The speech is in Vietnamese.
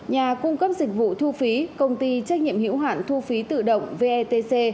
nhà cung cấp dịch vụ thu phí công ty trách nhiệm hiểu hạn thu phí tự động vetc